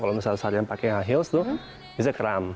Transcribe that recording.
kalau misalnya seharian pakai high heels tuh bisa keram